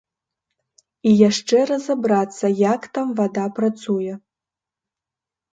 І яшчэ разабрацца, як там вада працуе.